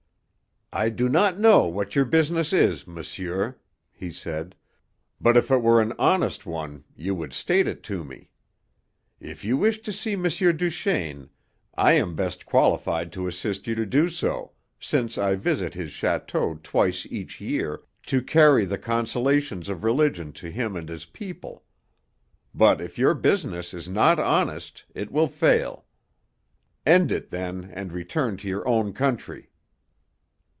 "I do not know what your business is, monsieur," he said, "but if it were an honest one you would state it to me. If you wish to see M. Duchaine I am best qualified to assist you to do so, since I visit his château twice each year to carry the consolations of religion to him and his people. But if your business is not honest it will fail. End it then and return to your own country."